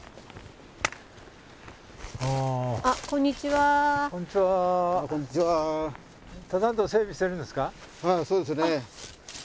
はいそうですね。